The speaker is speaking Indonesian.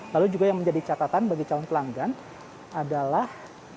lalu juga yang menjadi catatan bagi calon pelanggan adalah